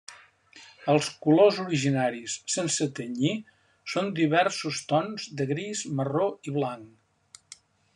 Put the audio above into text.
Els colors originaris, sense tenyir, són diversos tons de gris, marró i blanc.